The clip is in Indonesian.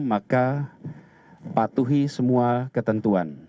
dan juga patuhi semua ketentuan